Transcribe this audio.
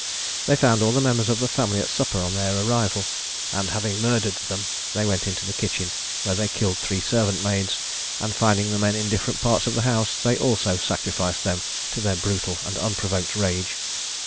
They found all the members of the family at supper on their arrival, and having murdered them, they went into the kitchen, where they killed three servant maids; and, finding the men in different parts of the house, they also sacrificed them to their brutal and unprovoked rage.